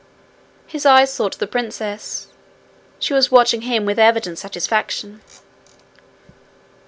His eyes sought the princess. She was watching him with evident satisfaction.